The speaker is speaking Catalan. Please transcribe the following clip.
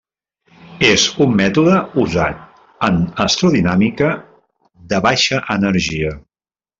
És un mètode usat en astrodinàmica de baixa energia.